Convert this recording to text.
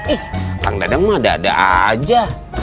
ih kang dadang mah dada aja